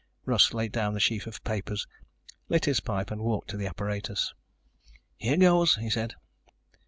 Russ laid down the sheaf of papers, lit his pipe and walked to the apparatus. "Here goes," he said.